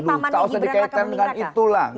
pahamannya gibran raka mendingraka